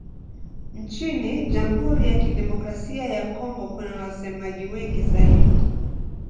Nchini Jamhuri ya Kidemokrasia ya Kongo kuna wasemaji wengi zaidi.